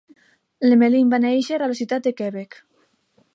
Lemelin va néixer a la ciutat de Quebec.